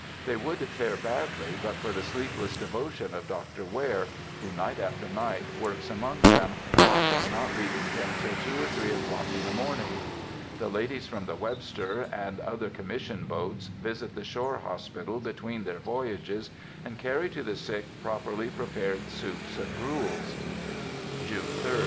They would fare badly but for the sleepless devotion of Dr. Ware, who, night after night, works among them, often not leaving them till two or three o'clock in the morning. The ladies from the Webster, and other Commission boats, visit the shore hospital between their voyages, and carry to the sick properly prepared soups and gruels. _June 3d.